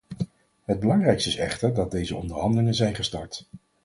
Het belangrijkste is echter dat deze onderhandelingen zijn gestart.